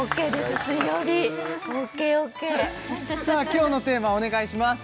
今日のテーマお願いします